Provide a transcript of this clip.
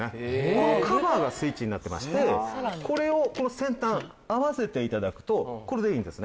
このカバーがスイッチになってましてこれをこの先端合わせて頂くとこれでいいんですね。